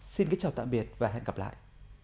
xin kính chào tạm biệt và hẹn gặp lại